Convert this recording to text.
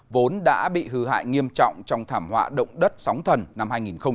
vốn đã bị hư hại nghiêm trọng trong thảm họa động đất sóng thần năm hai nghìn một mươi chín